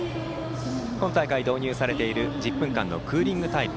今大会、導入されている１０分間のクーリングタイム。